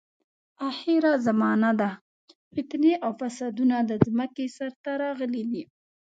اخره زمانه ده، فتنې او فسادونه د ځمکې سر ته راغلي دي.